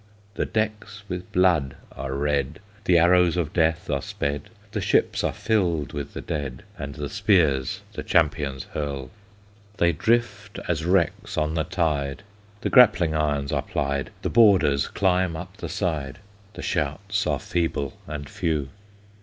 The decks with blood are red, The arrows of death are sped, The ships are filled with the dead, And the spears the champions hurl. They drift as wrecks on the tide, The grappling irons are plied, The boarders climb up the side, The shouts are feeble and few.